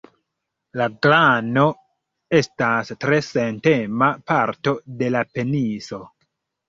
La glano estas tre sentema parto de la peniso.